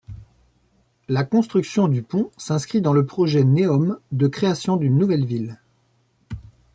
La construction du pont s'inscrit dans le projet Neom de création d'une nouvelle ville.